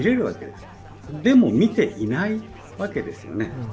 でも診ていないわけですよね。